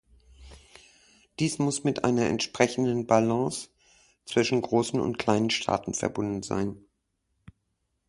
Dies muss mit einer entsprechenden Balance zwischen großen und kleinen Staaten verbunden sein.